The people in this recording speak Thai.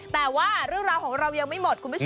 แต่ว่าเรื่องราวของเรายังไม่หมดคุณผู้ชม